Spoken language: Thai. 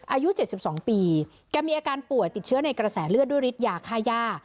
อายุ๗๒ปีแกมีอาการป่วยติดเชื้อในกระแสเลือดด้วยฤทธิยาค่าย่า